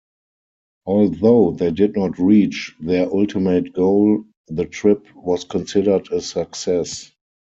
Although they did not reach their ultimate goal, the trip was considered a success.